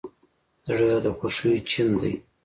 زړه د خوښیو چین دی.